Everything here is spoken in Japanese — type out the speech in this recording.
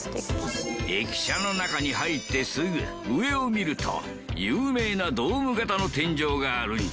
駅舎の中に入ってすぐ上を見ると有名なドーム形の天井があるんじゃ。